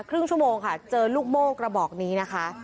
ครึ่งชั่วโมงค่ะเจอลูกโม่กระบอกนี้นะคะ